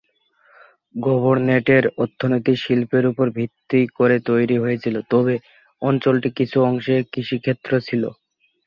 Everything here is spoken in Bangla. গভর্নরেটের অর্থনীতি শিল্পের উপর ভিত্তি করে তৈরি হয়েছিল, তবে অঞ্চলটির কিছু অংশে কৃষিক্ষেত্র ছিল।